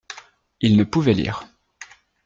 Il ne pouvait lire.